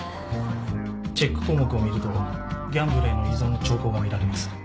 チェック項目を見るとギャンブルへの依存の兆候がみられます